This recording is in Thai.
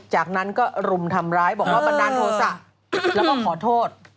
จากนั้นก็รุมทำร้ายบอกว่าบันดาลโทษะแล้วก็ขอโทษ